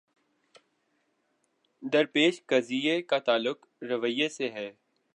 درپیش قضیے کا تعلق رویے سے ہے۔